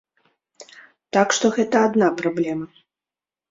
Так што гэта адна праблема.